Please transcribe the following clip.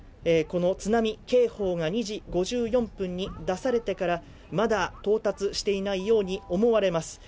この津波警報が２時５４分に出されてからまだ到達していないように思われます